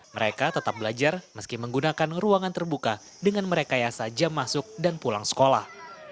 mereka tetap belajar meski menggunakan ruangan terbuka dengan merekayasa jam masuk dan pulang sekolah